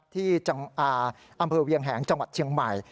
ที่อำเภอเวียงแหงจังหวัดเชียงใหม่